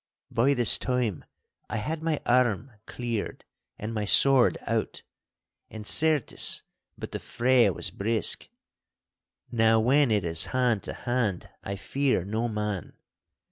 By this time I had my arm cleared and my sword out, and, certes, but the fray was brisk. Now, when it is hand to hand I fear no man.